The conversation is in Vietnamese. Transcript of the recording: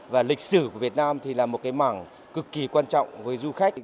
và lịch sử của việt nam là một mảng cực kỳ quan trọng với du khách